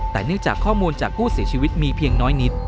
แต่เนื่องจากข้อมูลจากผู้เสียชีวิตมีเพียงน้อยนิด